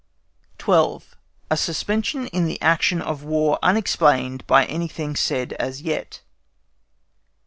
12. A SUSPENSION IN THE ACTION OF WAR UNEXPLAINED BY ANYTHING SAID AS YET.